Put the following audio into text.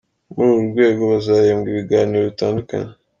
Muri uru rwego hazahembwa ibiganiro bitandukanye.